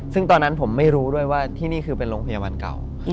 ซึ่งตอนนั้นผมไม่รู้ด้วยว่าที่นี่คือเป็นโรงพยาบาลเก่า